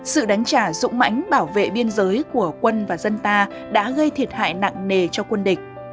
sự đánh trả dũng mãnh bảo vệ biên giới của quân và dân ta đã gây thiệt hại nặng nề cho quân địch